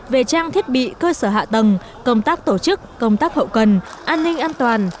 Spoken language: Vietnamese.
về trang thiết bị cơ sở hạ tầng công tác tổ chức công tác hậu cần an ninh an toàn